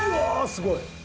すごい！